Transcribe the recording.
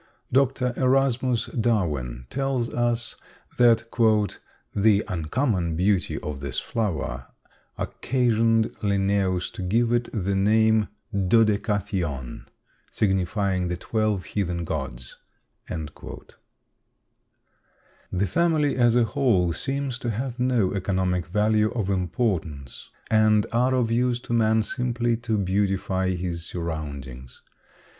Dr. Erasmus Darwin tells us that "the uncommon beauty of this flower occasioned Linnæus to give it the name Dodecatheon, signifiying the twelve heathen gods." The family as a whole seems to have no economic value of importance and are of use to man simply to beautify his surroundings.